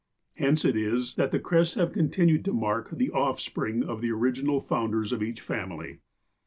Hence it is that the crests have continued to mark the offspring of the original founders of each family.